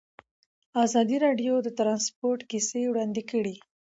ازادي راډیو د ترانسپورټ کیسې وړاندې کړي.